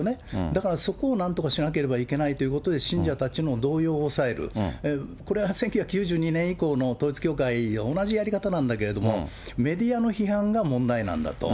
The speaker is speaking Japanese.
だからそこをなんとかしなければいけないということで、信者たちの動揺をおさえる、これは１９９２年以降の統一教会同じやり方なんだけれども、メディアの批判が問題なんだと。